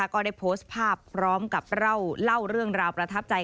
ก็ได้โพสต์ภาพพร้อมกับเล่าเรื่องราวประทับใจ